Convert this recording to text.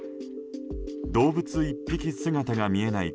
動物１匹姿が見えない